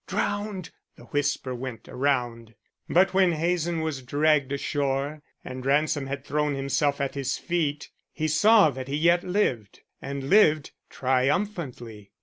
Drowned!" the whisper went around. But when Hazen was dragged ashore and Ransom had thrown himself at his feet, he saw that he yet lived, and lived triumphantly.